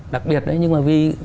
đặc biệt đấy nhưng mà vì